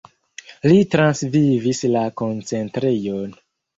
Li transvivis la koncentrejon.